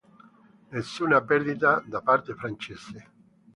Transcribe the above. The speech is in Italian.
Nessuna perdita da parte francese.